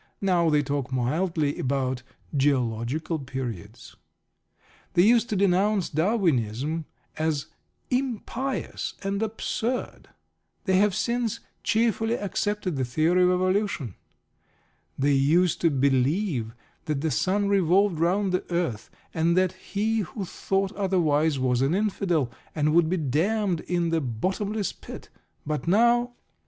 Now they talk mildly about "geological periods." They used to denounce Darwinism as impious and absurd. They have since "cheerfully accepted" the theory of evolution. They used to believe that the sun revolved round the earth, and that he who thought otherwise was an Infidel, and would be damned in the "bottomless pit." But now